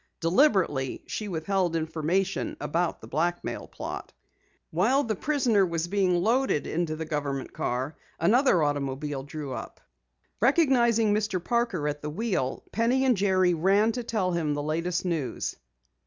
Deliberately she withheld information about the blackmail plot. While the prisoner was being loaded into the government car, another automobile drew up nearby. Recognizing Mr. Parker at the wheel, Penny and Jerry ran to tell him the latest news.